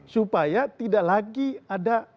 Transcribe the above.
supaya tidak lagi ada